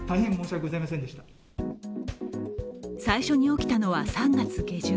最初に起きたのは３月下旬。